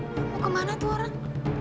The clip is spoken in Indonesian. kamu kemana tuh orang